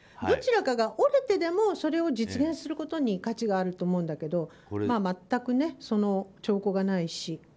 どちらかが折れてでもそれを実現することに価値があると思うんだけど全くその兆候がないし。